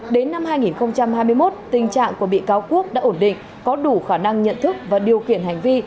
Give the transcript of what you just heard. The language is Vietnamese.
đến năm hai nghìn hai mươi một tình trạng của bị cáo quốc đã ổn định có đủ khả năng nhận thức và điều khiển hành vi